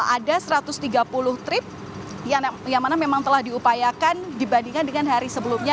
ada satu ratus tiga puluh trip yang mana memang telah diupayakan dibandingkan dengan hari sebelumnya